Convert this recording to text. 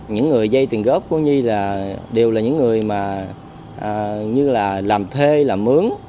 những người dây tiền góp của nhi đều là những người làm thê làm mướn